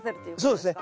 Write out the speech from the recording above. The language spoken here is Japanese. そうですね。